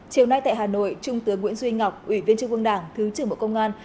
chiều nay tại hà nội trung tướng nguyễn duy ngọc ủy viên trung ương đảng thứ trưởng bộ công an